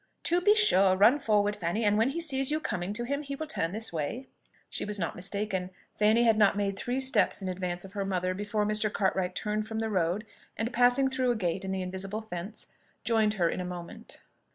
"To be sure. Run forward, Fanny; and when he sees you coming to him, he will turn this way." She was not mistaken: Fanny had not made three steps in advance of her mother, before Mr. Cartwright turned from the road, and passing through a gate in the invisible fence, joined her in a moment.